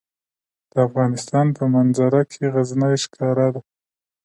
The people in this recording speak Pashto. د افغانستان په منظره کې غزني ښکاره ده.